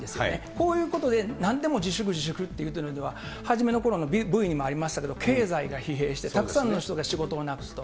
こういうことで、なんでも自粛、自粛って言ってるのでは、初めのころのＶにもありましたけれども、経済が疲弊して、たくさんの人が仕事をなくすと。